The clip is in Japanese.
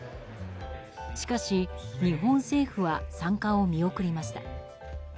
しかし、日本政府は参加を見送りました。